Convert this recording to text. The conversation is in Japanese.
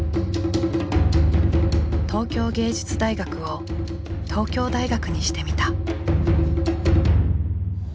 東京藝術大学を東京大学にしてみた。